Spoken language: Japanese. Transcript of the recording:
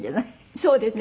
そうですね。